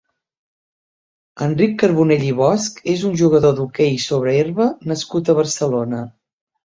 Enric Carbonell i Bosch és un jugador d'hoquei sobre herba nascut a Barcelona.